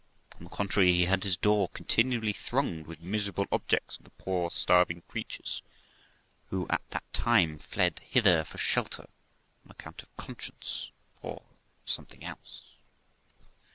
On the contrary, he had his door continually thronged with miserable objects of the poor starving creatures who at that time fled hither for shelter on account of conscience, or something else.